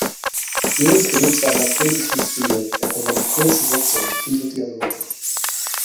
Mills benutzt einen lakonischen Stil, er verwendet kurze Sätze und viele Dialoge.